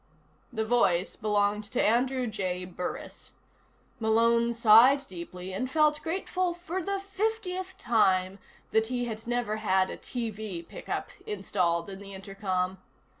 The voice belonged to Andrew J. Burris. Malone sighed deeply and felt grateful, for the fiftieth time, that he had never had a TV pickup installed in the intercom.